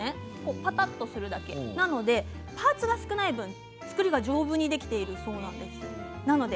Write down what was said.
ぱたっとするだけなのでパーツが少ない分作りが丈夫にできているそうなんです。